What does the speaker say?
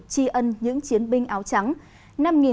tri ân những chiến binh áo trắng